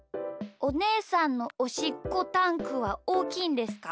おねえさんのおしっこタンクはおおきいんですか？